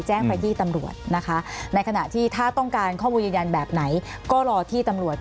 แจ้งไปที่ตำรวจนะคะในขณะที่ถ้าต้องการข้อมูลยืนยันแบบไหนก็รอที่ตำรวจ